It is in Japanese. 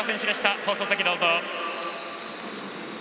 放送席どうぞ。